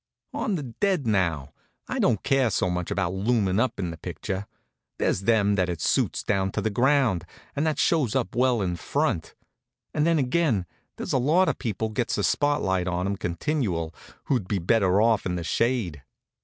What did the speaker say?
On the dead now, I don't care so much about loomin' up in the picture. There's them that it suits down to the ground, and that shows up well in front; and then again, there's a lot of people gets the spot light on 'em continual who'd be better off in the shade.